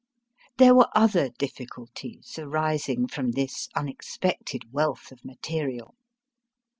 There were other difficulties arising from this unexpected wealth of material.